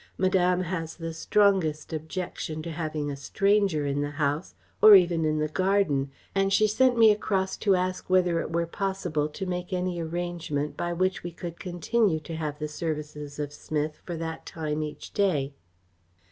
Madame has the strongest objection to having a stranger in the house, or even in the garden, and she sent me across to ask whether it were possible to make any arrangement by which we could continue to have the services of Smith for that time each day."